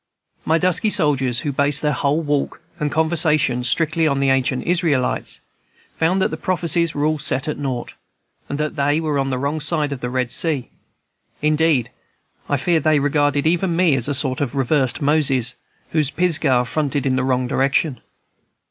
My dusky soldiers, who based their whole walk and conversation strictly on the ancient Israelites, felt that the prophecies were all set at naught, and that they were on the wrong side of the Red Sea; indeed, I fear they regarded even me as a sort of reversed Moses, whose Pisgah fronted in the wrong direction.